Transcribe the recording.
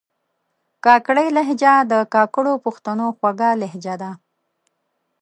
کاکړۍ لهجه د کاکړو پښتنو خوږه لهجه ده